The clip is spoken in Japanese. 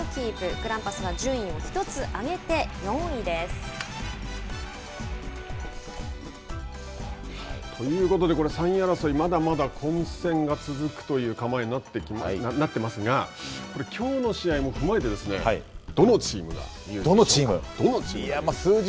グランパスは順位を１つ上げてということでこれ３位争いまだまだ混戦が続くという構えになっていますがこれ、きょうの試合も踏まえてどのチームが有利だと思いますか。